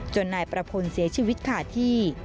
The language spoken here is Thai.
นายประพลเสียชีวิตขาดที่